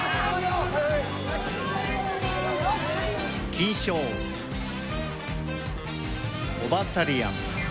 金賞、オバタリアン。